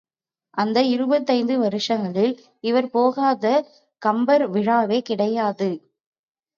அந்த இருபத்தைந்து வருஷங்களில் இவர் போகாத கம்பர் விழாவே கிடையாது.